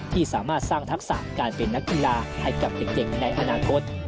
ที่สามารถสร้างทักษะการเป็นนักกีฬาให้กับเด็กในอนาคต